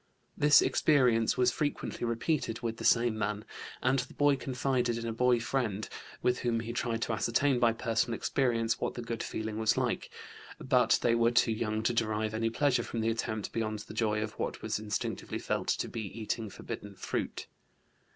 This experience was frequently repeated with the same man, and the boy confided in a boy friend, with whom he tried to ascertain by personal experience what the "good feeling" was like, but they were too young to derive any pleasure from the attempt beyond the joy of what was instinctively felt to be "eating forbidden fruit."